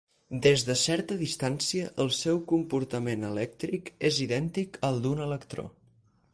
Des de certa distància el seu comportament elèctric és idèntic al d'un electró.